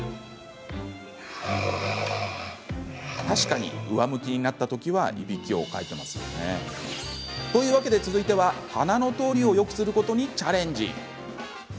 確かに上向きになったときはいびきをかいていますね。というわけで続いては鼻の通りをよくすることにチャレンジ。